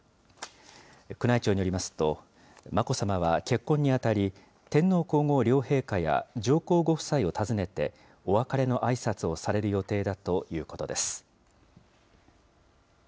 宮内庁によりますと、眞子さまは結婚にあたり、天皇皇后両陛下や上皇ご夫妻を訪ねて、お別れのあいさつをされる予定だということです。